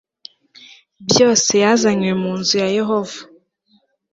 byose yazanywe mu nzu ya yehova